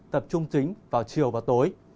tập trung chính vào chiều và tối